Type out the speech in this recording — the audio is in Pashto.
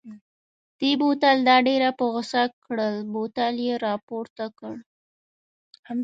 همدې بوتل دا ډېره په غوسه کړل، بوتل یې را پورته کړ.